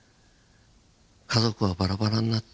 「家族はバラバラになって